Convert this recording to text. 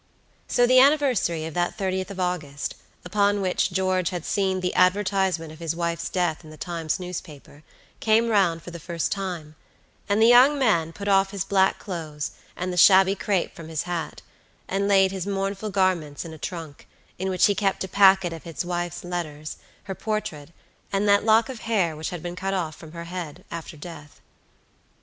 So the anniversary of that 30th of August, upon which George had seen the advertisement of his wife's death in the Times newspaper, came round for the first time, and the young man put off his black clothes and the shabby crape from his hat, and laid his mournful garments in a trunk in which he kept a packet of his wife's letters, her portrait, and that lock of hair which had been cut from her head after death.